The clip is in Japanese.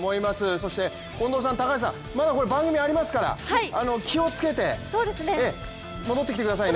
そして、まだ番組ありますから気をつけて戻ってきてくださいね。